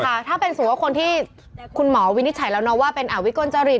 ค่ะถ้าเป็นสมมุติว่าคนที่คุณหมอวินิจฉัยแล้วนะว่าเป็นวิกลจริต